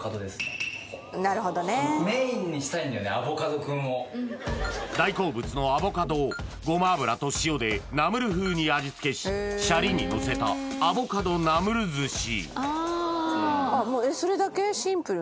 アボカドくんを大好物のアボカドをごま油と塩でナムル風に味付けしシャリにのせたアボカドナムル寿司